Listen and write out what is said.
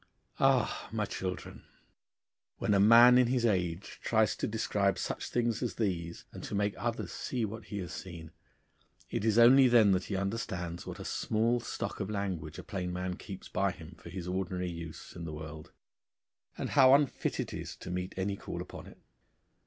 Ah, my children! when a man in his age tries to describe such things as these, and to make others see what he has seen, it is only then that he understands what a small stock of language a plain man keeps by him for his ordinary use in the world, and how unfit it is to meet any call upon it.